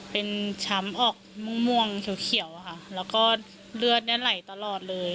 เป็นช้ำออกม่วงเขียวค่ะแล้วก็เลือดเนี่ยไหลตลอดเลย